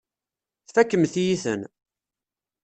Tfakemt-iyi-ten.